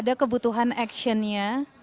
ada kebutuhan actionnya